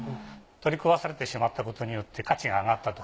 取り壊されてしまったことによって価値が上がったと。